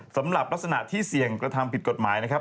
สำหรับลักษณะที่เสี่ยงกระทำผิดกฎหมายนะครับ